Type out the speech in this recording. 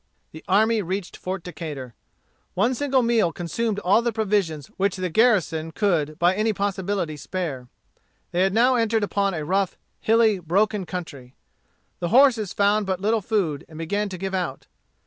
The army reached Fort Decatur. One single meal consumed all the provisions which the garrison could by any possibility spare. They had now entered upon a rough, hilly, broken country. The horses found but little food, and began to give out.